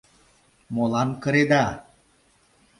Молан кыреда?